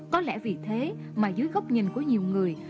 có lẽ vì thế mà dưới góc nhìn của nhiều người